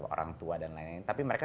orang tua dan lain lain tapi mereka